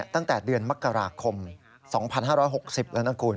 ตั้งแต่เดือนมกราคม๒๕๖๐แล้วนะคุณ